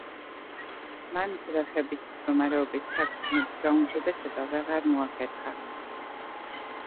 მან გლეხების მდგომარეობის საგრძნობი გაუმჯობესება ვეღარ მოახერხა.